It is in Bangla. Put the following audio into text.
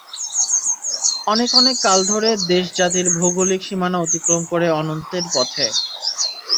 অনেক অনেক কাল ধরে দেশ-জাতির ভৌগোলিক সীমানা অতিক্রম করে অনন্তের পথে।